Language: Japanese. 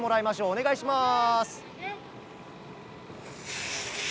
お願いします。